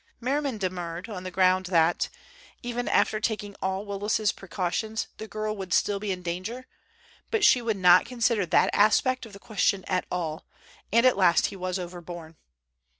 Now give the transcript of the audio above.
Merriman demurred on the ground that, even after taking all Willis's precautions, the girl would still be in danger, but she would not consider that aspect of the question at all, and at last he was overborne.